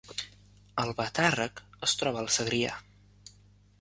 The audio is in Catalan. Albatàrrec es troba al Segrià